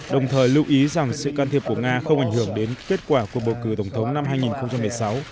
đồng thời lưu ý rằng sự can thiệp của nga không ảnh hưởng đến kết quả của bầu cử tổng thống năm hai nghìn một mươi sáu